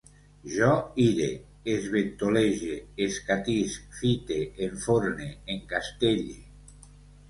Jo ire, esventolege, escatisc, fite, enforne, encastelle